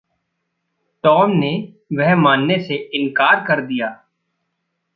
Tom ने वह मानने से इंकार कर दिया।